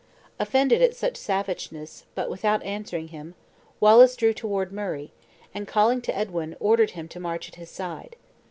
Offended at such savageness, but without answering him, Wallace drew toward Murray, and calling to Edwin, ordered him to march at his side.